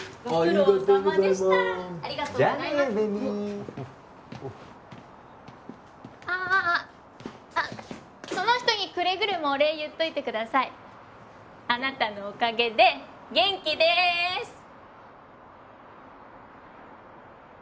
ベビーあっその人にくれぐれもお礼言っといてくださいあなたのおかげで元気でーす！